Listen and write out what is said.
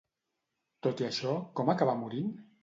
Tot i això, com acaba morint?